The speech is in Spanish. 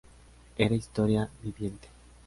Era historia viviente.